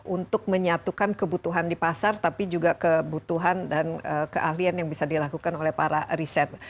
untuk menyatukan kebutuhan di pasar tapi juga kebutuhan dan keahlian yang bisa dilakukan oleh para riset